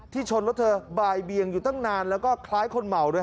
ชนรถเธอบ่ายเบียงอยู่ตั้งนานแล้วก็คล้ายคนเหมาด้วย